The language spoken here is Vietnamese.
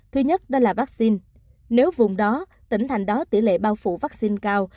thứ nhất đó là vaccine nếu vùng đó tỉnh thành đó tỷ lệ bao phủ vaccine cao